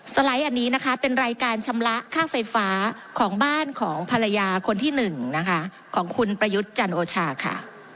สไลด์อันนี้เป็นรายการชำระข้างไฟฟ้าของบ้านของภรรยาคนที่๑ของคุณปรยุทธ์จันโอชาค่ะ